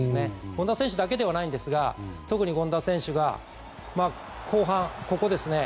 権田選手だけではないんですが特に権田選手が後半、ここですね。